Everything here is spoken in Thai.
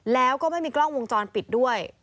แล้วก็ไม่มีกล้องวงจรปิดด้วย